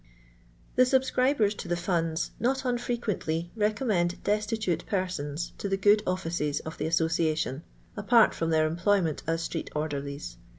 The subscriben to the funds not unfrequently recommend destitute persons to the good offices of tbe Association, apart from their employment as street orderlies.